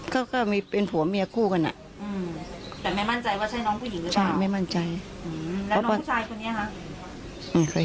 ก็ก็มีเป็นผัวเมียคู่กันอ่ะอืมแต่ไม่มั่นใจว่าใช่น้องผู้หญิงหรือเปล่า